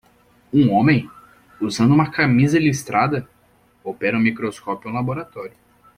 Um homem? usando uma camisa listrada? opera um microscópio em um laboratório.